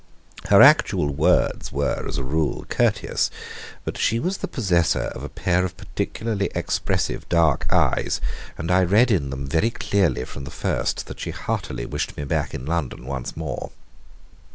Her actual words were, as a rule, courteous, but she was the possessor of a pair of particularly expressive dark eyes, and I read in them very clearly from the first that she heartily wished me back in London once more.